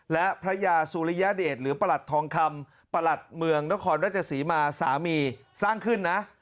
และพระยาสุริยเดชหรือประหลัดทองคำประหลัดเมืองนครราชศรีมาสามีสร้างขึ้นนะ